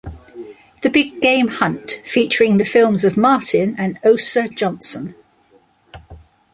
"The Big Game Hunt" featuring the films of Martin and Osa Johnson.